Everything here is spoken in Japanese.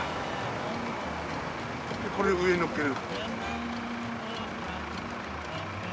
これ上にのっける。